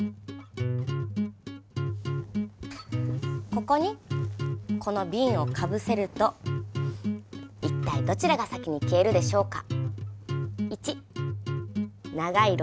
ここにこのビンをかぶせると一体どちらが先に消えるでしょうか？